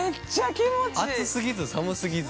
暑すぎず、寒すぎず。